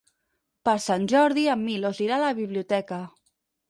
Per Sant Jordi en Milos irà a la biblioteca.